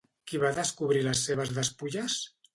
Qui va descobrir les seves despulles?